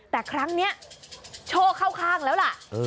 แต่ครั้งนี้โชคเข้าข้างแล้วล่ะ